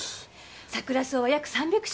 サクラソウは約３００種類あるの。